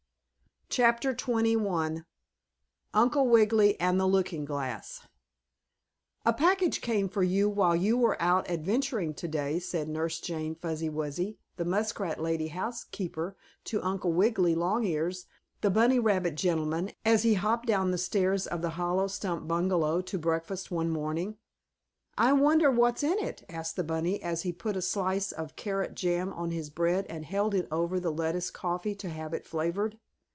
CHAPTER XXI UNCLE WIGGILY AND THE LOOKING GLASS "A package came for you while you were out adventuring today," said Nurse Jane Fuzzy Wuzzy, the muskrat lady housekeeper, to Uncle Wiggily Longears, the bunny rabbit gentleman, as he hopped down the stairs of the hollow stump bungalow to breakfast one morning. "I wonder what's in it?" asked the bunny as he put a slice of carrot jam on his bread and held it over the lettuce coffee to have it flavored.